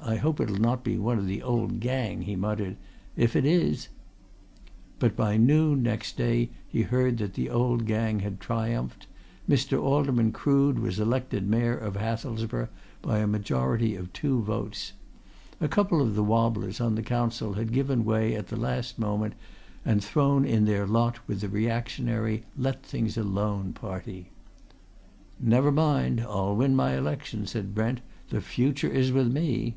I hope it'll not be one of the old gang!" he muttered. "If it is " But by noon next day he heard that the old gang had triumphed. Mr. Alderman Crood was elected Mayor of Hathelsborough by a majority of two votes. A couple of the wobblers on the Council had given way at the last moment and thrown in their lot with the reactionary, let things alone party. "Never mind! I'll win my election," said Brent. "The future is with me."